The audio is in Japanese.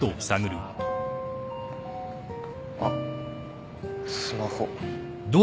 あっスマホ。